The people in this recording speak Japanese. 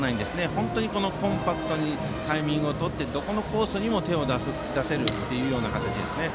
本当にコンパクトにタイミングをとってどこのコースにも手を出せる形ですね。